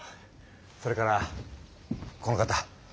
それからこの方。